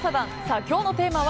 今日のテーマは。